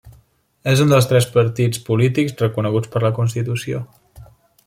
És un dels tres partits polítics reconeguts per la constitució.